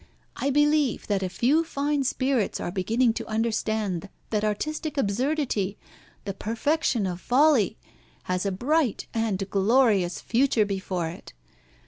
I believe that a few fine spirits are beginning to understand that artistic absurdity, the perfection of folly, has a bright and glorious future before it.